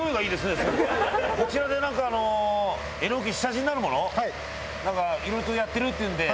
こちらでなんかあのエノキの下地になるものなんかいろいろとやってるっていうんで。